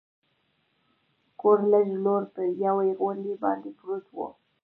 کور لږ لوړ پر یوې غونډۍ باندې پروت و.